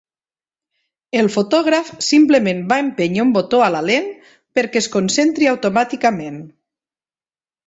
El fotògraf simplement va empènyer un botó a la lent perquè es concentri automàticament.